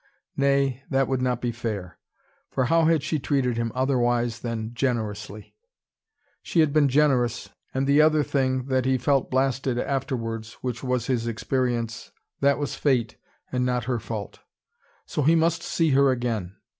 Nay, that would not be fair. For how had she treated him, otherwise than generously. She had been generous, and the other thing, that he felt blasted afterwards, which was his experience, that was fate, and not her fault. So he must see her again.